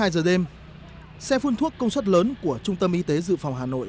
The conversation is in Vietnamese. hai mươi giờ đêm xe phun thuốc công suất lớn của trung tâm y tế dự phòng hà nội